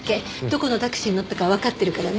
どこのタクシーに乗ったかはわかってるから。